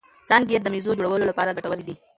څانګې یې د مېزو جوړولو لپاره ګټورې دي.